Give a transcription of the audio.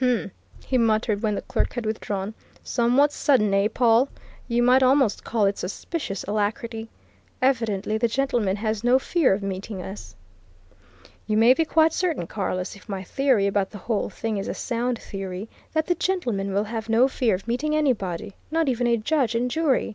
Um!" he muttered when the clerk had withdrawn. "Somewhat sudden, eh, Pawle? You might almost call it suspicious alacrity. Evidently the gentleman has no fear of meeting us!" "You may be quite certain, Carless, if my theory about the whole thing is a sound theory, that the gentleman will have no fear of meeting anybody, not even a judge and jury!"